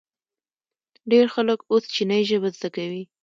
ډیر خلک اوس چینایي ژبه زده کوي.